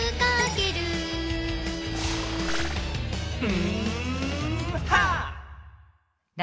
うんはっ！